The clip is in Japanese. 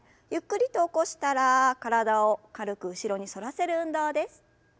ゆっくりと起こしたら体を軽く後ろに反らせる運動です。